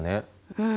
うん。